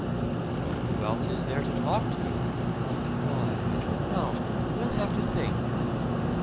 "But who else is there to talk to?" "Why, I don't know. We'll have to think."